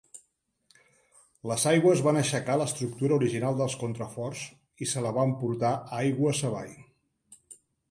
Les aigües van aixecar l'estructura original dels contraforts i se la va emportar aigües avall.